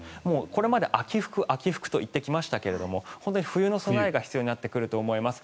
これまで秋服、秋服と言ってきましたけれど本当に冬の備えが必要になってくると思います。